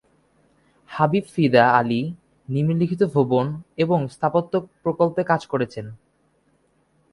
হাবিব ফিদা আলী নিম্নলিখিত ভবন এবং স্থাপত্য প্রকল্পে কাজ করেছেন।